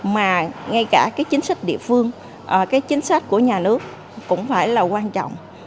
mà ngay cả cái chính sách địa phương cái chính sách của nhà nước cũng phải là quan trọng